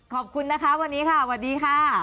ขอบคุณนะคะวันนี้ค่ะสวัสดีค่ะ